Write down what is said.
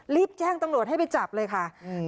รีบแจ้งตำรวจให้ไปจับเลยค่ะอืม